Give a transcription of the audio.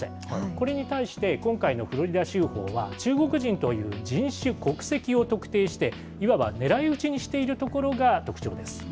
これに対して、今回のフロリダ州法は、中国人という人種、国籍を特定して、いわば狙い撃ちにしているところが特徴です。